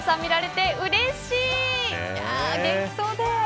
元気そうで。